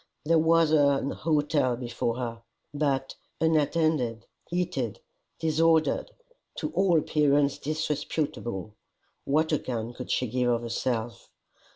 There was an hotel before her! But, unattended, heated, disordered, to all appearance disreputable, what account could she give of herself?